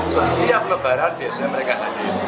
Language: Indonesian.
setiap lebaran biasanya mereka hadir